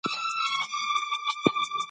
خپلواک اوسئ.